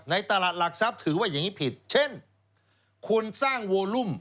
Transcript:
ตลาดหลักทรัพย์ถือว่าอย่างนี้ผิดเช่นคุณสร้างโวลุ่ม